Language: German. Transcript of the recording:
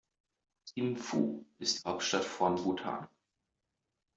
Thimphu ist die Hauptstadt von Bhutan.